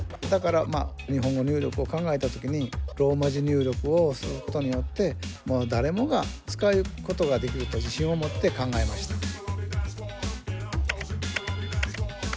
だから日本語入力を考えた時にローマ字入力をすることによってもう誰もが使うことができると自信を持って考えました。